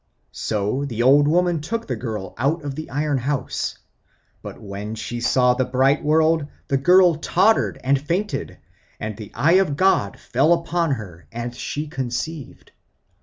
So the old woman took the girl out of the iron house. But when she saw the bright world, the girl tottered and fainted; and the eye of God fell upon her, and she conceived.